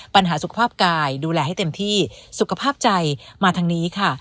ปัญหาสุขภาพกายดูแลให้เต็มที่สุขภาพใจมาทางนี้ค่ะ